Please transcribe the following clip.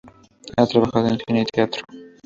Ha trabajado en cine y teatro.